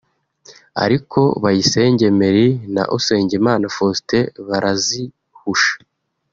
ariko Bayisenge Emery na Usengimana Faustin barazihusha